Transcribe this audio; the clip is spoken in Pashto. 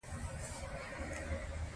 ځوانان باید په خپل هېواد کې کار وکړي.